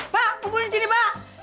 pak kumpulin disini pak